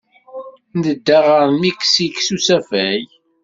Nedda ɣer Miksik s usafag.